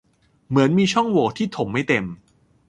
เหมือนมีช่องโหว่ที่ถมไม่เต็ม